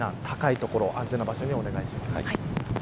高い所、安全な所にお願いします。